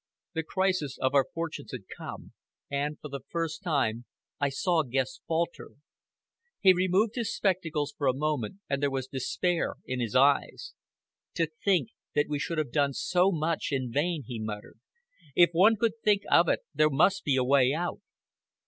The crisis of our fortunes had come, and, for the first time, I saw Guest falter. He removed his spectacles for a moment, and there was despair in his eyes. "To think that we should have done so much in vain," he muttered. "If one could think of it, there must be a way out."